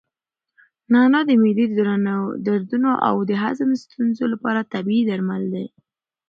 نعناع د معدې د دردونو او د هضم د ستونزو لپاره طبیعي درمل دي.